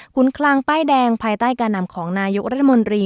คุณคลังป้ายแดงภายใต้การนำของนายกรัฐมนตรี